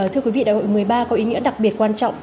thưa quý vị đại hội một mươi ba có ý nghĩa đặc biệt quan trọng